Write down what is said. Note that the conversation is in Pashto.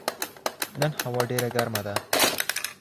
نن هوا ډېره ګرمه ده